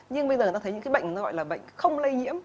nhưng bây giờ ta thấy những cái bệnh nó gọi là bệnh không lây nhiễm